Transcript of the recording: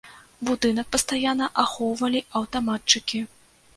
Будынак пастаянна ахоўвалі аўтаматчыкі.